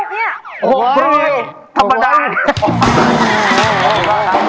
๖๐๐นี่คำประดับ